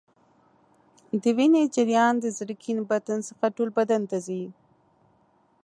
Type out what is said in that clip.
د وینې جریان د زړه کیڼ بطن څخه ټول بدن ته ځي.